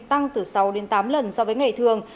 tăng từ sáu đến tám lần so với ngày thường